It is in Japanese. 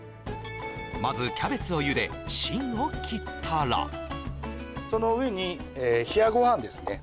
まずキャベツを茹で芯を切ったらその上に冷やご飯ですね